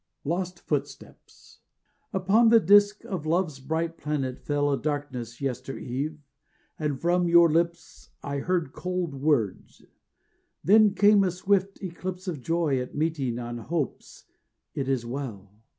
LOST FOOTSTEPS Upon the disc of Love's bright planet fell A darkness yestereve, and from your lips I heard cold words; then came a swift eclipse Of joy at meeting on hope's it is well.